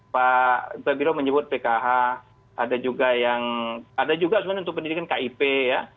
pak tobiro menyebut pkh ada juga yang ada juga sebenarnya untuk pendidikan kip ya